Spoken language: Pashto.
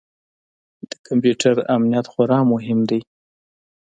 د کمپیوټر امنیت خورا مهم دی.